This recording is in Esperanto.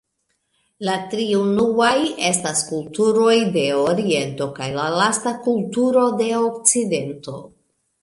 La tri unuaj estas kulturoj de Oriento kaj la lasta kulturo de Okcidento.